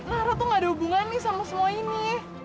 nara tuh nggak ada hubungan nih sama semua ini